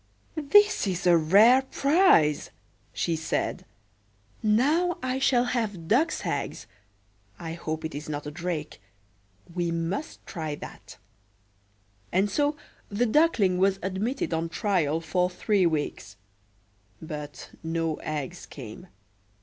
"This is a rare prize!" she said. "Now I shall have duck's eggs. I hope it is not a drake. We must try that."And so the Duckling was admitted on trial for three weeks; but no eggs came.